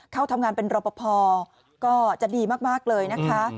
เข้าทำงานเป็นรอปภก็จะดีมากเลยนะคะ